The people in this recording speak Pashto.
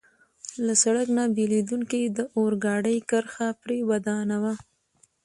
له سړک نه بېلېدونکې د اورګاډي کرښه پرې ودانوه.